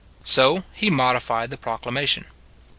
So he modified the proclamation.